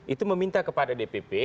itu meminta kepada dpp